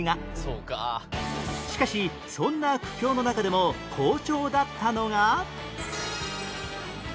しかしそんな苦境の中でも好調だったのが